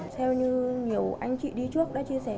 theo như nhiều anh chị đi trước đã chia sẻ